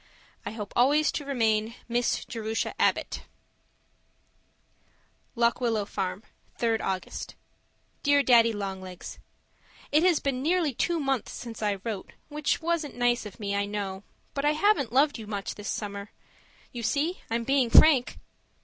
I hope always to remain, (Miss) Jerusha Abbott LOCK WILLOW FARM, 3rd August Dear Daddy Long Legs, It has been nearly two months since I wrote, which wasn't nice of me, I know, but I haven't loved you much this summer you see I'm being frank!